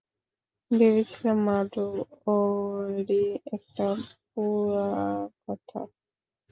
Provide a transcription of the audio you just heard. ভেবেছিলাম মাড ওয়েরি একটা পুরাকথা।